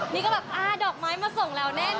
นี่ก็แบบอ่าดอกไม้มาส่งแล้วแน่น